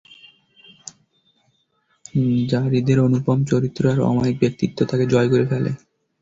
যারীদের অনুপম চরিত্র আর অমায়িক ব্যক্তিত্ব তাকে জয় করে ফেলে।